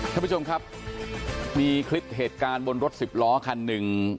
ท่านผู้ชมครับมีคลิปเหตุการณ์บนรถสิบล้อคันหนึ่ง